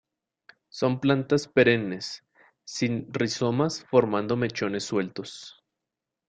Son plantas perennes, sin rizomas, formando mechones sueltos.